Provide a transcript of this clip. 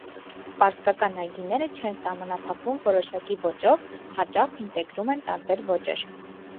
Պարսկական այգիները չեն սահմանափակվում որոշակի ոճով՝ հաճախ ինտեգրում են տարբեր ոճեր։